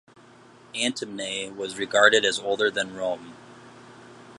Antemnae was regarded as older than Rome.